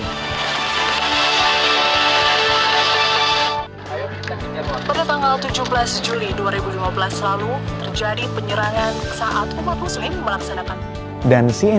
pada tanggal tujuh belas juli dua ribu lima belas lalu terjadi penyerangan saat umat muslim melaksanakan